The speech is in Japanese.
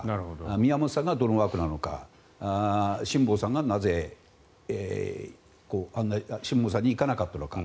宮本さんがどの枠なのか辛坊さんになぜ行かなかったのか。